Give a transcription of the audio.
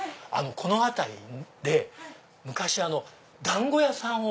この辺りで昔団子屋さんを。